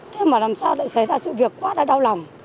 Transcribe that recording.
thế mà làm sao lại xảy ra sự việc quá là đau lòng